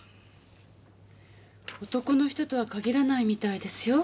男の人とは限らないみたいですよ。